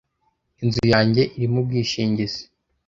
Inzu yanjye irimo ubwishingizi.